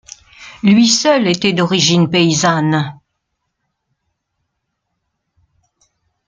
Lui seul était d'origine paysanne.